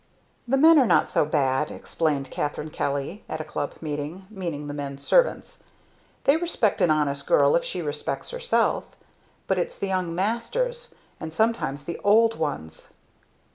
"The men are not so bad," explained Catharine Kelly, at a club meeting, meaning the men servants; "they respect an honest girl if she respects herself; but it's the young masters and sometimes the old ones!"